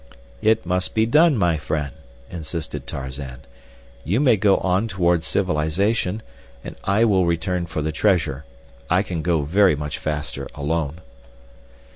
"It must be done, my friend," insisted Tarzan. "You may go on toward civilization, and I will return for the treasure. I can go very much faster alone."